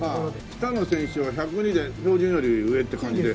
北野選手は１０２で標準より上って感じで。